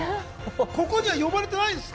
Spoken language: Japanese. ここには呼ばれてないです。